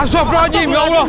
astaghfirullahaladzim ya allah